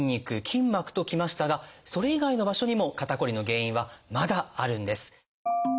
「筋膜」ときましたがそれ以外の場所にも肩こりの原因はまだあるんです。